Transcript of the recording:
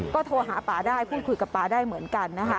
ก็โทรหากับป่าได้เพิ่งคุยกับป่าได้เหมือนกัน